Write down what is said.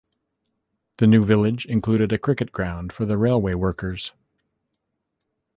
The new village included a cricket ground for the railway workers.